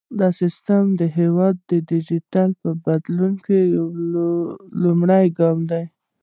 دا سیستم د هیواد په ډیجیټل بدلون کې لومړی ګام دی۔